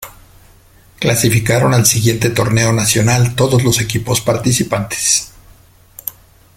Clasificaron al siguiente Torneo Nacional todos los equipos participantes.